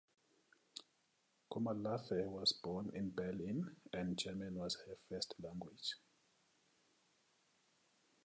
Komolafe was born in Berlin and German was her first language.